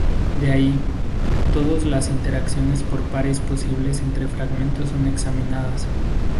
De ahí, todos las interacciones por pares posibles entre fragmentos son examinadas.